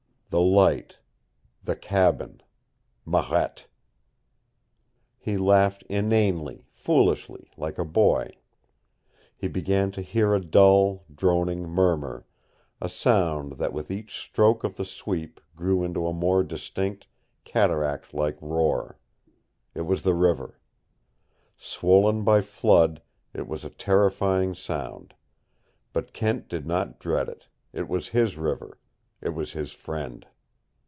The light the cabin Marette! He laughed inanely, foolishly, like a boy. He began to hear a dull, droning murmur, a sound that with each stroke of the sweep grew into a more distinct, cataract like roar. It was the river. Swollen by flood, it was a terrifying sound. But Kent did not dread it. It was his river; it was his friend.